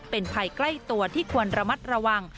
เป็นภัยใกล้ตัวที่ควรระมัดระวัง